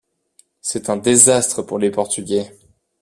C'est un désastre pour les Portugais.